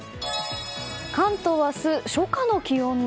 関東明日、初夏の気温に。